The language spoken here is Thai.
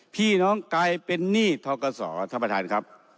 พี่น้องกลายเป็นนี่ท้องกระส่อท่านประทานครับ